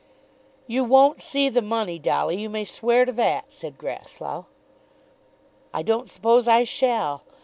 "You won't see the money, Dolly, you may swear to that," said Grasslough. "I don't suppose I shall.